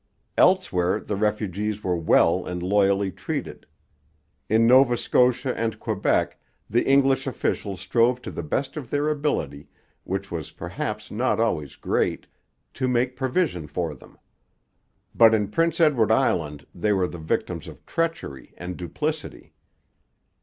Elsewhere the refugees were well and loyally treated. In Nova Scotia and Quebec the English officials strove to the best of their ability, which was perhaps not always great, to make provision for them. But in Prince Edward Island they were the victims of treachery and duplicity.